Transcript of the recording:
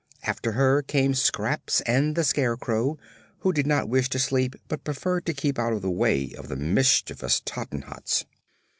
After her came Scraps and the Scarecrow, who did not wish to sleep but preferred to keep out of the way of the mischievous Tottenhots.